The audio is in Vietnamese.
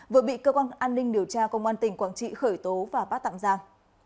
vừa bị cơ quan an ninh điều tra công an tỉnh quảng trị khởi tố và bắt tạm giam